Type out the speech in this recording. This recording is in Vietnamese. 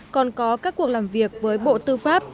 còn có các cuộc làm việc với bộ tư pháp